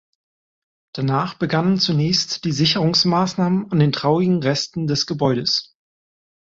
Danach begannen zunächst die Sicherungsmaßnahmen an den traurigen Resten des Gebäudes.